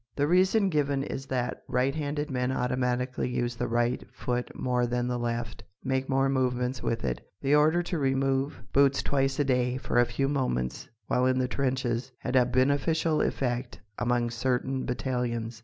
The reason given is that right handed men automatically use the right foot more than the left, make more movements with it. The order to remove boots twice a day, for a few moments while in the trenches, had a beneficial effect among certain battalions.